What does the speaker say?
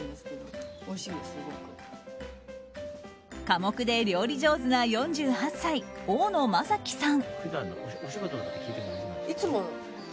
寡黙で料理上手な４８歳大野マサキさん。